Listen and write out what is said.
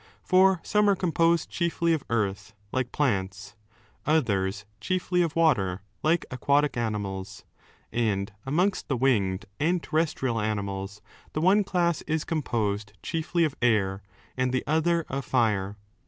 For some are composed chiefly of earth, like plants, others chiefly of water, like aquatic animals. And amongst the winged and terrestrial animals, the one class is composed chiefly of air and the other of fire.